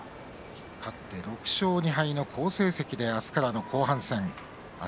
勝って６勝２敗好成績明日からの後半戦です。